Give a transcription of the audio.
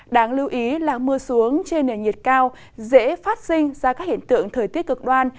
đáng lưu ý là mưa xuống trên nền nhiệt cao dễ phát sinh ra các hiện tượng thời tiết cực đoan